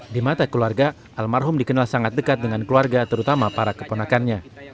di mata keluarga almarhum dikenal sangat dekat dengan keluarga terutama para keponakannya